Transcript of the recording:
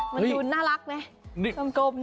มันดูน่ารักไหม